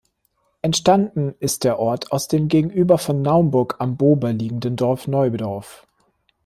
Entstanden ist der Ort aus dem gegenüber von Naumburg am Bober liegenden Dorf Neudorf.